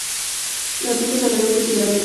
La punta se alargó considerablemente.